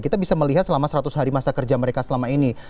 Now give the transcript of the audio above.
kita bisa melihat selama seratus hari masa kerja mereka selama ini